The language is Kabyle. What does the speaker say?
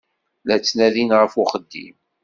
La ttnadin ɣef uxeddim.